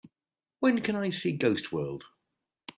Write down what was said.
When can I see Ghost World